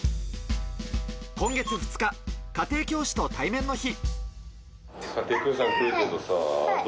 今月２日、家庭教師と対面の日。